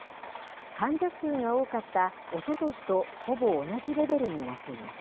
患者数が多かったおととしとほぼ同じレベルになっています。